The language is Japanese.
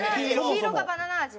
黄色がバナナ味。